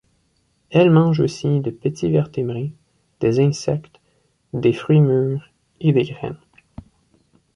Elles mangent aussi de petits vertébrés, des insectes, des fruits mûrs et des graines.